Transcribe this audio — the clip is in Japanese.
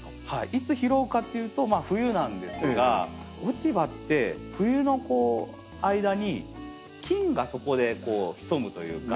いつ拾うかっていうと冬なんですが落ち葉って冬の間に菌がそこで潜むというか。